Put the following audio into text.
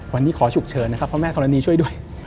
วันนี้ขอฉุกเฉินนะครับพระแม่ธรณีช่วยด้วย